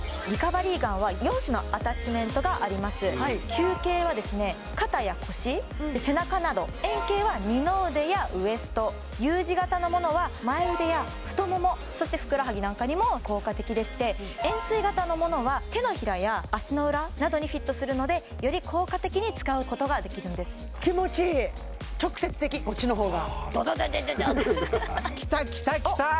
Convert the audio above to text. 球形は肩や腰背中など円形は二の腕やウエストＵ字形のものは前腕や太ももそしてふくらはぎなんかにも効果的でして円錐形のものは手のひらや足の裏などにフィットするのでより効果的に使うことができるんです気持ちいい直接的こっちのほうがドドドドドドッてきたきたきた！